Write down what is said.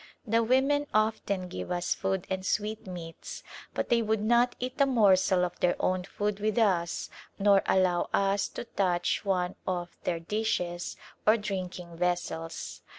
The women often give us food and sweetmeats, but they would not eat a morsel of their own food with us nor allow us to touch one of their dishes or drinking vessels.